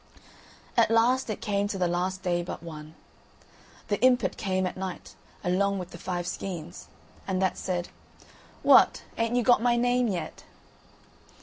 At last it came to the last day but one. The impet came at night along with the five skeins, and that said, "What, ain't you got my name yet?"